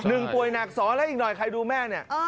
ป่วยหนักสอนแล้วอีกหน่อยใครดูแม่เนี่ย